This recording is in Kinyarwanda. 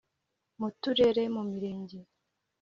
Mu turere mu mirenge